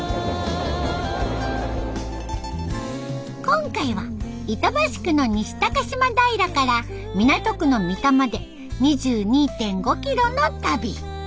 今回は板橋区の西高島平から港区の三田まで２２．５キロの旅。